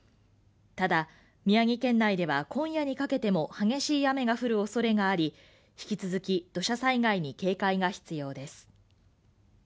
ただ、宮城県内では今夜にかけても激しい雨が降るおそれがあり引き続き土砂災害に警戒が必要です。